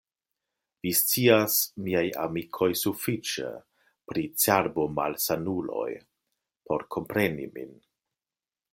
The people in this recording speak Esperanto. Vi scias, miaj amikoj, sufiĉe pri cerbomalsanuloj, por kompreni min.